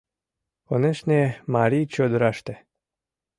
Конешне, марий чодыраште.